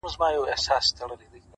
د هغه ږغ د هر چا زړه خپلوي;